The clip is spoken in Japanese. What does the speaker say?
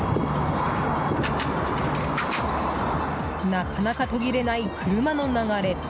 なかなか途切れない車の流れ。